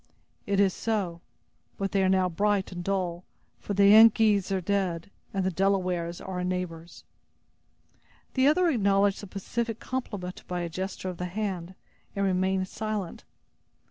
"It is so; but they are now bright and dull; for the Yengeese are dead, and the Delawares are our neighbors." The other acknowledged the pacific compliment by a gesture of the hand, and remained silent.